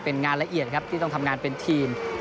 เป็นงานละเอียดครับที่ต้องทำงานเป็นทีม